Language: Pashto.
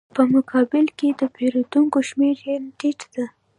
په مقابل کې د پېرودونکو شمېره یې ټیټه ده